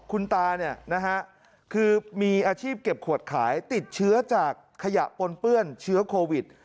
คุณตาคือมีอาชีพเก็บขวดขายติดเชื้อจากขยะปนเปื้อนเชื้อโควิด